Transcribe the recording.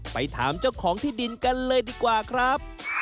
ไปถามเจ้าของที่ดินกันเลยดีกว่าครับ